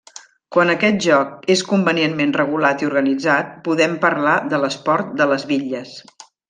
Quan aquest joc és convenientment regulat i organitzat podem parlar de l'esport de les bitlles.